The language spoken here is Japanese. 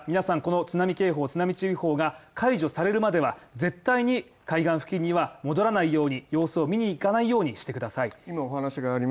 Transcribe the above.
ですから、皆さんこの津波警報津波注意報が解除されるまでは絶対に海岸付近には戻らないように、様子を見に行かないようにしてください。